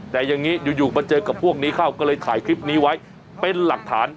แต่อย่างนี้อยู่มาเจอกับพวกนี้เข้าก็เลยถ่ายคลิปนี้ไว้เป็นหลักฐาน